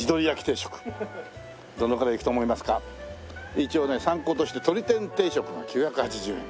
一応ね参考としてとり天定食が９８０円。